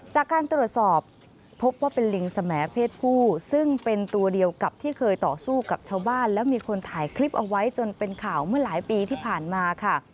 จากการตรวจสอบพบว่าเป็นลิงสมเพศผู้ซึ่งเป็นตัวเดียวกับที่เคยต่อสู้กับชาวบ้านแล้วมีคนถ่ายคลิปเอาไว้จนเป็นข่าวเมื่อหลายปีที่ผ่านมาค่ะ